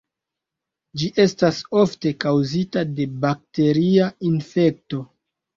Ĝi estas ofte kaŭzita de bakteria infekto.